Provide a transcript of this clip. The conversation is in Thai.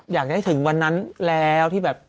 อยากจะให้ถึงวันนั้นแล้วที่แบบ